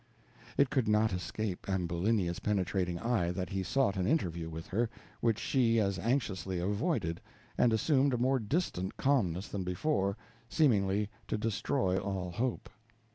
It could not escape Ambulinia's penetrating eye that he sought an interview with her, which she as anxiously avoided, and assumed a more distant calmness than before, seemingly to destroy all hope.